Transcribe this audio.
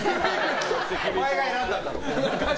お前が選んだんだろ。